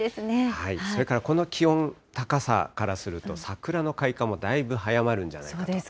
それからこの気温、高さからすると、桜の開花もだいぶ早まるんじゃないかと。